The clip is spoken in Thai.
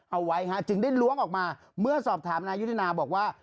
เอาไว้ฮะจึงได้ล้วงออกมาเมื่อสอบถามนายุทธนาบอกว่า